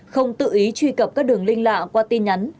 không tự ý truy cập các đường linh lạ qua tin nhắn